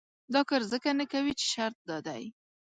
دا کار ځکه نه کوي چې شرط دا دی.